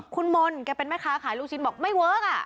คุณมนต์แกเป็นแม่ค้าขายลูกชิ้นบอกไม่เวิร์ค